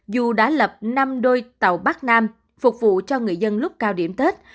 dù đã lập năm đôi tàu bắc nam phục vụ cho người dân lúc cao điểm tết